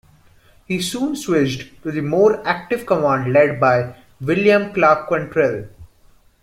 He soon switched to the more active command led by William Clarke Quantrill.